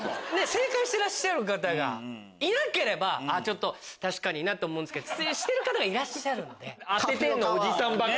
正解してらっしゃる方がいなければ確かにな！と思うんですけどしてる方がいらっしゃるんで。